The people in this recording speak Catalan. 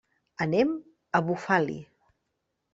Anem a Bufali.